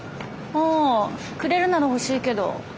ああくれるなら欲しいけど。